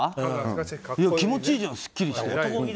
気持ちいいじゃんすっきりして。